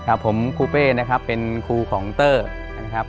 ครับผมครูเป้นะครับเป็นครูของเตอร์นะครับ